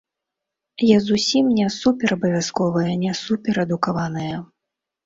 Я зусім не суперабавязковая, не суперадукаваная.